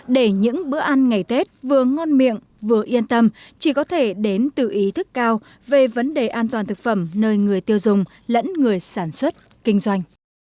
để những bữa ăn ngày tết vừa ngon miệng vừa yên tâm chỉ có thể đến từ ý thức cao về vấn đề an toàn thực phẩm nơi người tiêu dùng lẫn người sản xuất kinh doanh